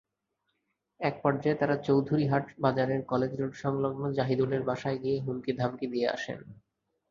একপর্যায়ে তাঁরা চৌধুরীরহাট বাজারের কলেজ রোডসংলগ্ন জাহিদুলের বাসায় গিয়ে হুমকি-ধমকি দিয়ে আসেন।